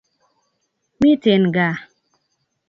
miten gaa